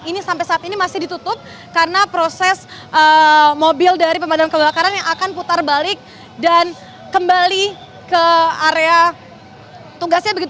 ini sampai saat ini masih ditutup karena proses mobil dari pemadam kebakaran yang akan putar balik dan kembali ke area tugasnya